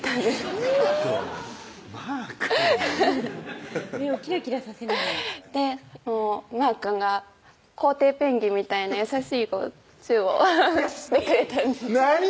ちょっとまーくん目をキラキラさせながらまーくんがコウテイペンギンみたいな優しいチューをしてくれたんですなに？